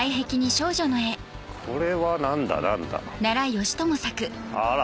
これは何だ何だあら